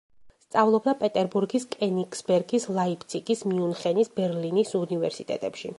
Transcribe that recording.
სწავლობდა პეტერბურგის, კენიგსბერგის, ლაიფციგის, მიუნხენის, ბერლინის უნივერსიტეტებში.